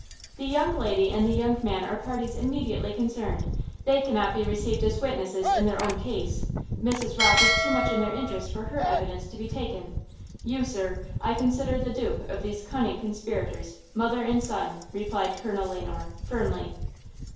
"The young lady and the young man are parties immediately concerned–they cannot be received at witnesses in their own case; Mrs. Rocke is too much in their interest for her evidence to be taken; you, sir, I consider the dupe of these cunning conspirators–mother and son," replied Colonel Le Noir, firmly.